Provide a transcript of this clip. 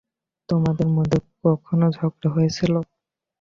তোমাদের মধ্যে কখনো ঝগড়া হয়েছিল?